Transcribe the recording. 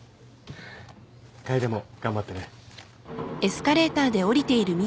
楓も頑張ってね。